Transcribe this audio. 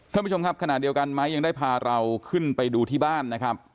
ท่านผู้ชมครับขณะเดียวกันไม้ยังได้พาเราขึ้นไปดูที่บ้านนะครับ